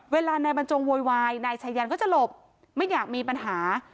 เวลานายบรรจงโวยวายนายชายันก็จะหลบไม่อยากมีปัญหา